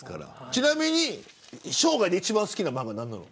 ちなみに生涯で一番好きな漫画は何なの。